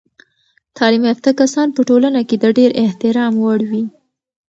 تعلیم یافته کسان په ټولنه کې د ډیر احترام وړ وي.